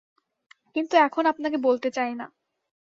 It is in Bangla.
কিন্তু এখন আপনাকে বলতে চাই না।